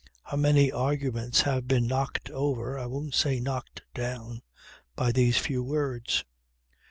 How many arguments have been knocked over (I won't say knocked down) by these few words!